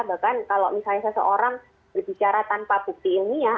bahkan kalau misalnya seseorang berbicara tanpa bukti ilmiah